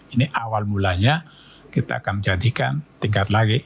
ini awal mulanya kita akan jadikan tingkat lagi